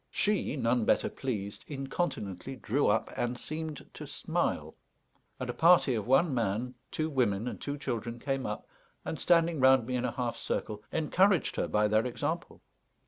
She, none better pleased, incontinently drew up and seemed to smile, and a party of one man, two women, and two children came up, and, standing round me in a half circle, encouraged her by their example.